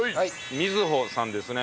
みずほさんですね。